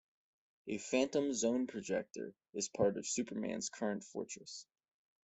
A Phantom Zone Projector is part of Superman's current Fortress.